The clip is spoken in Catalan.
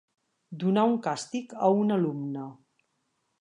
Donar un càstig a un alumne.